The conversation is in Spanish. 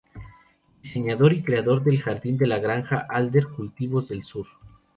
Diseñador y creador del jardín de la granja de Adler, "Cultivos del Sur".